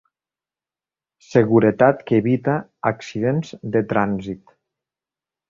Seguretat que evita accidents de trànsit.